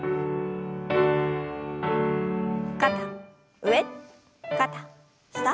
肩上肩下。